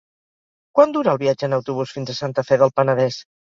Quant dura el viatge en autobús fins a Santa Fe del Penedès?